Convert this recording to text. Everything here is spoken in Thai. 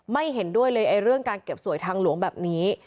ไม่เห็นด้วยเลยเรื่องการเก็บสวยทางหลวงแบบนี้